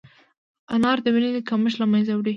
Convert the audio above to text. انار د وینې کمښت له منځه وړي.